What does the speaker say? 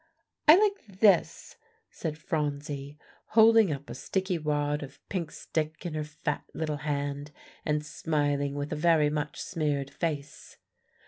"I like this," said Phronsie, holding up a sticky wad of pink stick in her fat little hand, and smiling with a very much smeared face.